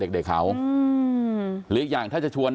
เดี๋ยวให้กลางกินขนม